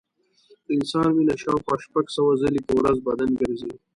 د انسان وینه شاوخوا شپږ سوه ځلې په ورځ بدن ګرځي.